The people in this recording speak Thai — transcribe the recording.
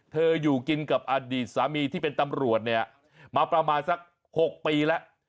อยู่กินกับอดีตสามีที่เป็นตำรวจเนี่ยมาประมาณสัก๖ปีแล้ว